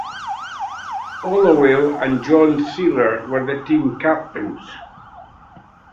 Olawale and John Seiler were the team captains.